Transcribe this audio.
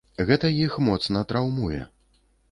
Гэта іх моцна траўмуе.